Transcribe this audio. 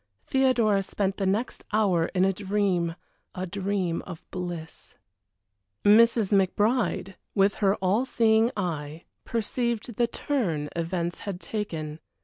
Theodora spent the next hour in a dream a dream of bliss. Mrs. McBride, with her all seeing eye, perceived the turn events had taken.